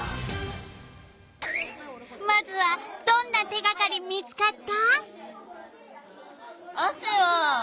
まずはどんな手がかり見つかった？